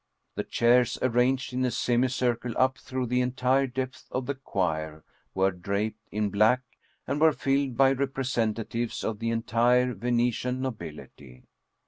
The chairs arranged in a semicircle up through the entire depth of the choir were draped in black, and were filled by representatives of the entire Venetian nobility.